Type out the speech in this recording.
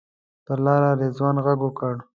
پر لاره رضوان غږ وکړ.